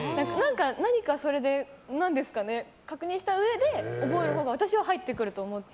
何か、それで確認したうえで覚えるほうが私は入ってくると思ってて。